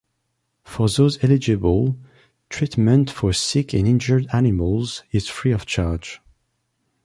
For those eligible, treatment for sick and injured animals is free of charge.